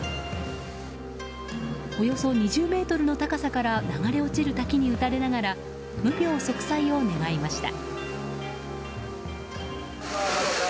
およそ２０ｍの高さから流れ落ちる滝に打たれながら無病息災を願いました。